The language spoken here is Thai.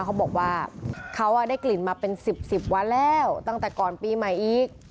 เขาบอกว่าเขาได้กลิ่นมาเป็น๑๐๑๐วันแล้วตั้งแต่ก่อนปีใหม่อีก